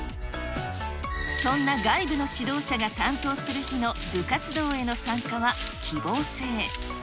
そんな外部の指導者が担当する日の部活動への参加は希望制。